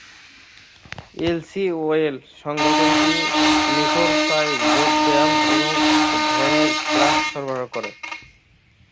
LC ওয়েল সংগঠনটি নিখরচায় যোগব্যায়াম এবং ধ্যানের ক্লাস সরবরাহ করে।